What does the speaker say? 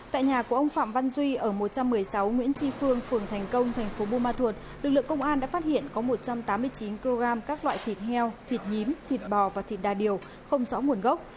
tại nhà của ông phạm văn duy ở một trăm một mươi sáu nguyễn tri phương phường thành công thành phố buôn ma thuột lực lượng công an đã phát hiện có một trăm tám mươi chín kg các loại thịt heo thịt nhím thịt bò và thịt đa điều không rõ nguồn gốc